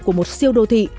của một siêu đô thị